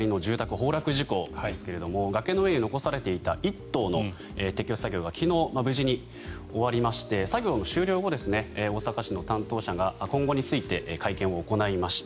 崩落事故ですが崖の上に残されていた１棟の撤去作業が昨日、無事に終わりまして作業の終了後大阪市の担当者が今後について会見を行いました。